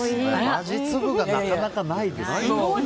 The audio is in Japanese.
馬術部がなかなかないですよ。